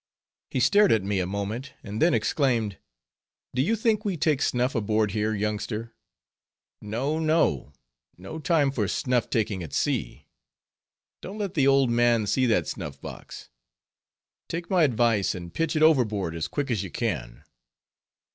He stared at me a moment, and then exclaimed, "Do you think we take snuff aboard here, youngster? no, no, no time for snuff taking at sea; don't let the 'old man' see that snuff box; take my advice and pitch it overboard as quick as you can."